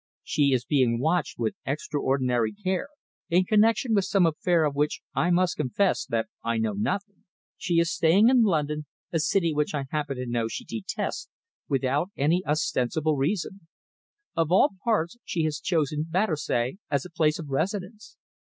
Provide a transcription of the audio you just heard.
She is being watched with extraordinary care, in connection with some affair of which I must confess that I know nothing. She is staying in London, a city which I happen to know she detests, without any ostensible reason. Of all parts, she has chosen Battersea as a place of residence.